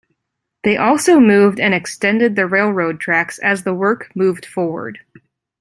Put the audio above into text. They also moved and extended the railroad tracks as the work moved forward.